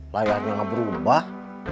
layarnya nggak berubah